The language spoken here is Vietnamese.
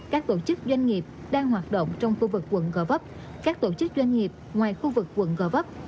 các tổ chức doanh nghiệp đang hoạt động trong khu vực quận gò vấp các tổ chức doanh nghiệp ngoài khu vực quận gò vấp